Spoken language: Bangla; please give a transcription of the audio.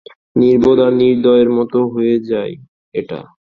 নির্বোধ আর নির্দয় এর মতো হয়ে যায় এটা।